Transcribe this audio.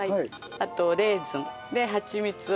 あとレーズンではちみつを入れて。